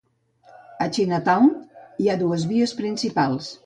Ha Chinatown, hi ha dues vies principals.